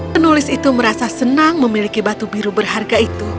penulis itu merasa senang memiliki batu biru berharga itu